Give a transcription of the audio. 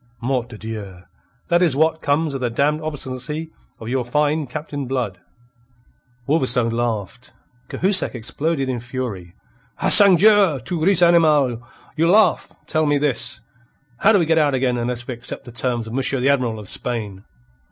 Mort de Dieu! That is what comes of the damned obstinacy of your fine Captain Blood." Wolverstone laughed. Cahusac exploded in fury. "Ah, sangdieu! Tu ris, animal? You laugh! Tell me this: How do we get out again unless we accept the terms of Monsieur the Admiral of Spain?"